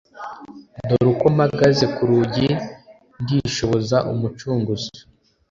Dore uko mpagaze kurugi ndi shoboza umucunguzi